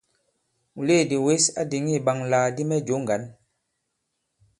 Mùleèdì wěs a dìŋì ìɓaŋalàkdi mɛ jǒ ŋgǎn.